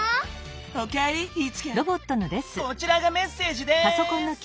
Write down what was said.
こちらがメッセージです！